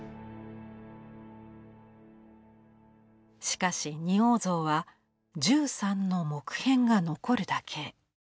しかし仁王像は１３の木片が残るだけ。